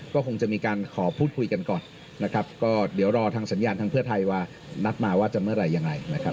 ก็คงจะมีการขอพูดคุยกันก่อนนะครับก็เดี๋ยวรอทางสัญญาณทางเพื่อไทยว่านัดมาว่าจะเมื่อไหร่ยังไงนะครับ